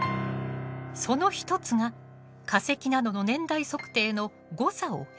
その一つが化石などの年代測定の誤差を減らしたこと。